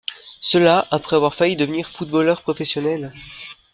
Cela, après avoir failli devenir footballeur professionnel.